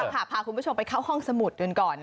พาคุณผู้ชมไปเข้าห้องสมุดกันก่อน